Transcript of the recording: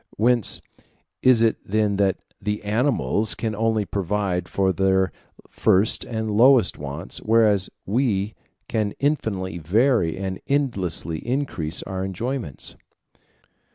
Whence is it then that the animals can only provide for their first and lowest wants, whereas we can infinitely vary and endlessly increase our enjoyments?